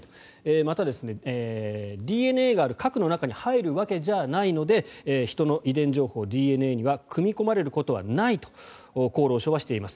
また、ＤＮＡがある核の中に入るわけじゃないので人の遺伝情報、ＤＮＡには組み込まれることはないと厚労省はしています。